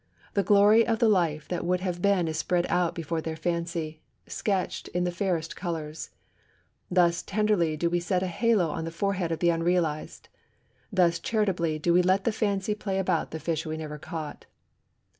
The glory of the life that would have been is spread out before their fancy, sketched in the fairest colours! Thus tenderly do we set a halo on the forehead of the unrealized! Thus charitably do we let the fancy play about the fish we never caught!